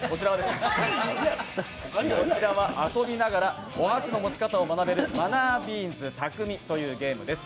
こちらは遊びながらお箸の持ち方を学べる「マナー豆匠」というゲームです。